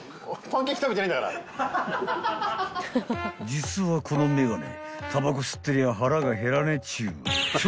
［実はこのメガネたばこ吸ってりゃ腹が減らねえっちゅう］